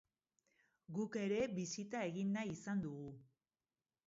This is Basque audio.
Guk ere bisita egin nahi izan dugu.